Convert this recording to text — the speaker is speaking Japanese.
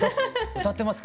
歌ってますか？